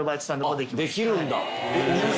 できるんだ。